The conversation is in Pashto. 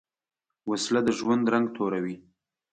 وسله د ژوند رنګ توروې